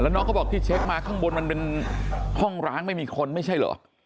น้องเขาบอกที่เช็คมาข้างบนมันเป็นห้องร้างไม่มีคนไม่ใช่เหรอ